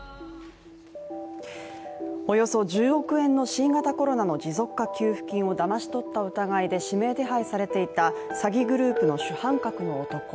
およそ１０億円の新型コロナの持続化給付金をだまし取った疑いで指名手配されていた詐欺グループの主犯格の男。